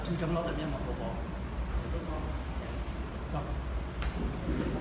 คุณคิดว่าเกินเท่าไหร่หรือไม่เกินเท่าไหร่